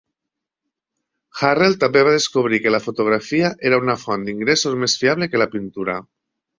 Hurrell també va descobrir que la fotografia era una font d'ingressos més fiable que la pintura.